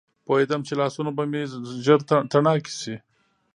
پوهېدم چې لاسونه به مې ژر تڼاکي شي.